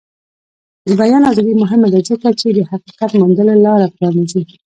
د بیان ازادي مهمه ده ځکه چې د حقیقت موندلو لاره پرانیزي.